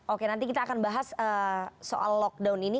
oke nanti kita akan bahas soal lockdown ini